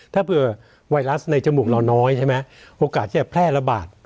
ถ้าเผื่อไวรัสในจมูกเราน้อยใช่ไหมโอกาสที่จะแพร่ระบาด